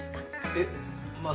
えっまあ